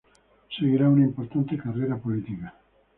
Seguirá una importante carrera política.